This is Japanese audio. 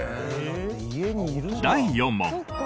第４問。